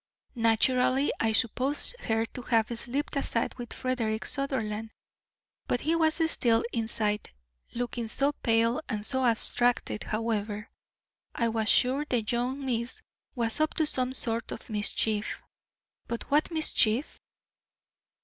Naturally I supposed her to have slipped aside with Frederick Sutherland, but he was still in sight, looking so pale and so abstracted, however, I was sure the young miss was up to some sort of mischief. But what mischief?